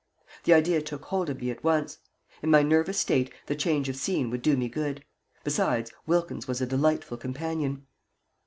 The idea took hold of me at once. In my nervous state the change of scene would do me good. Besides, Wilkins was a delightful companion.